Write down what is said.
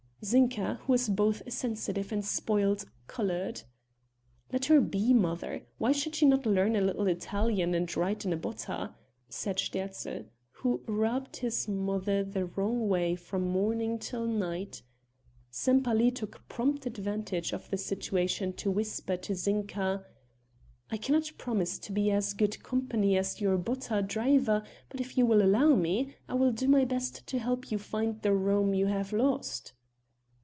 Zinka, who was both sensitive and spoilt, colored. "Let her be, mother, why should she not learn a little Italian and ride in a Botta? said Sterzl, who rubbed his mother the wrong way from morning till night. Sempaly took prompt advantage of the situation to whisper to Zinka: "I cannot promise to be as good company as your Botta driver, but if you will allow me, I will do my best to help you to find the Rome you have lost."